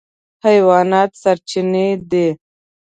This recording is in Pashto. حیوانات سرچینې دي.